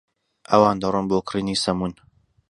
ئەوان دەڕۆن بۆ کرینی سەموون.